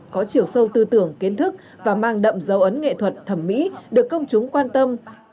có chiều sâu tư tưởng kiến thức và mang đậm dấu ấn nghệ thuật thẩm mỹ được công chúng quan tâm